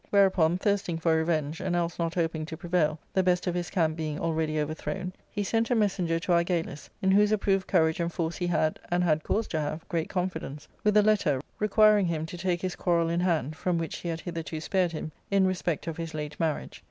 Whereupon, thirsting for revenge, and else not hoping to prevail, the best of his camp being already overthrown, he sent a messenger to Argalus, in whose approved courage and force he had — and had cause to have — great confidence, with a letter, requiring hina to take his quarrel in hand, from which he had hitherto spared him in respect of his late marriage.